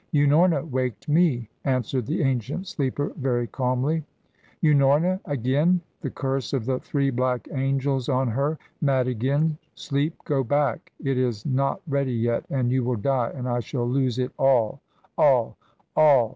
"Unorna waked me," answered the ancient sleeper very calmly. "Unorna? Again? The curse of The Three Black Angels on her! Mad again? Sleep, go back! It is not ready yet, and you will die, and I shall lose it all all all!